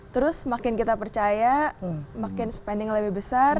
terus makin kita percaya makin spending lebih besar